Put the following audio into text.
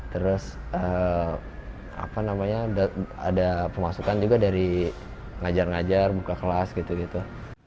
terus apa namanya ada pemasukan juga dari ngajar ngajar buka kelas gitu gitu